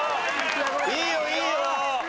いいよいいよ。